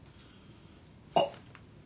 あっ！